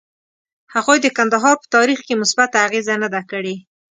هغوی د کندهار په تاریخ کې مثبته اغیزه نه ده کړې.